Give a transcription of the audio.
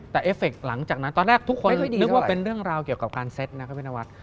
แต่เอฟเฟคหลังจากนั้นตอนแรกทุกคนนึกว่าเป็นเรื่องราวเกี่ยวกับการเซ็ตนะครับพี่นวัด